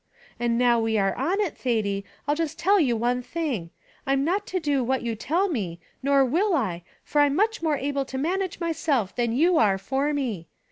And now we are on it, Thady, I'll just tell you one thing: I'm not to do what you tell me, nor will I, for I'm much more able to manage myself than you are for me.